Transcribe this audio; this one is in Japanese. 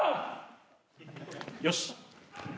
よし。